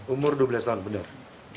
umur dua belas tahun benar